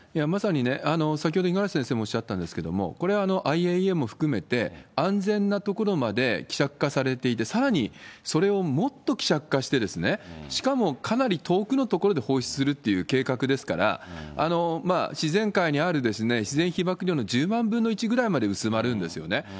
まさにね、先ほど五十嵐先生もおっしゃったんですけれども、これはＩＡＥＡも含めて、安全なところまで希釈化されていて、さらにそれをもっと希釈化して、しかもかなり遠くの所で放出するっていう計画ですから、自然界にある自然被ばく量の１０万分の１ぐらいまで薄まるんですよね。